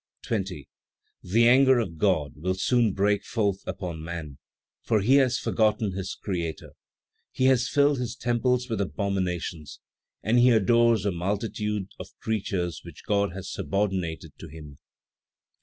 20. "The anger of God will soon break forth upon man; for he has forgotten his Creator; he has filled His temples with abominations; and he adores a multitude of creatures which God has subordinated to him; 21.